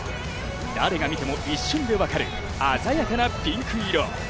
誰が見ても一瞬で分かる、鮮やかなピンク色。